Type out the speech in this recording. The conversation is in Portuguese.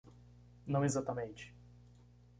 Não exatamente